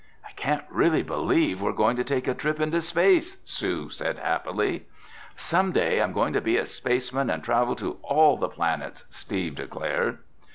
"I can't really believe we're going to take a trip into space!" Sue said happily. "Some day I'm going to be a spaceman and travel to all the planets!" Steve declared.